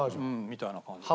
みたいな感じかな。